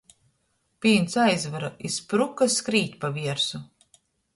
Pīns aizvyra i spruka skrīt par viersu.